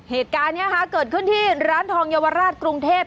เหตุการณ์นี้เกิดขึ้นที่ร้านทองเยาวราชกรุงเทพ